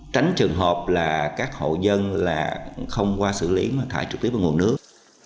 tránh trường hợp là các hộ dân không qua xử lý mà thải trực tiếp vào nguồn nước